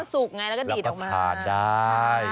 มันก็สุกไงแล้วก็ถีดออกมาแล้วก็ทานได้